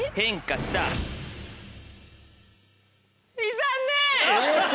残念！